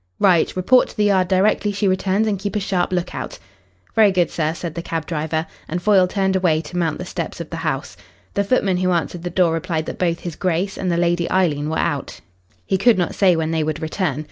"Right. Report to the Yard directly she returns, and keep a sharp look out." "Very good, sir," said the cab driver, and Foyle turned away to mount the steps of the house. The footman who answered the door replied that both his Grace and the Lady Eileen were out. He could not say when they would return.